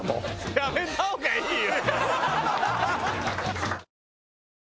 やめた方がいいよ！